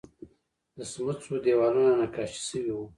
د سمڅو دیوالونه نقاشي شوي وو